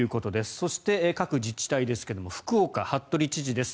そして、各自治体ですが福岡の服部知事です。